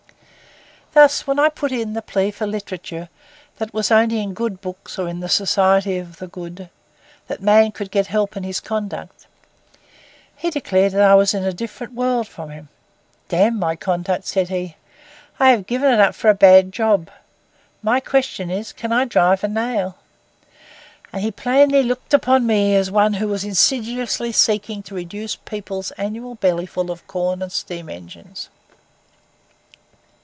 Thus, when I put in the plea for literature, that it was only in good books, or in the society of the good, that a man could get help in his conduct, he declared I was in a different world from him. 'Damn my conduct!' said he. 'I have given it up for a bad job. My question is, "Can I drive a nail?"' And he plainly looked upon me as one who was insidiously seeking to reduce the people's annual bellyful of corn and steam engines.